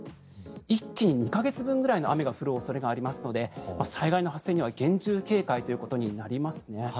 一気に２か月分くらいの雨が降る恐れがありますので災害の発生には厳重警戒ということになります。